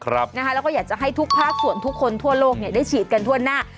แล้วก็อยากจะให้ทุกภาคส่วนทุกคนทั่วโลกได้ฉีดกันทั่วหน้า